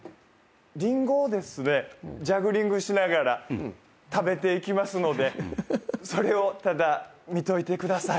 リンゴをジャグリングしながら食べていきますのでそれをただ見といてください。